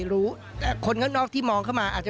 รู้แต่คนข้างนอกที่มองเข้ามาอาจจะ